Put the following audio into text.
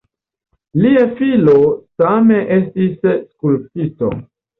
Lia filo same estis skulptisto.